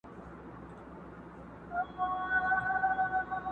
نه بڼو یمه ویشتلی، نه د زلفو زولانه یم.!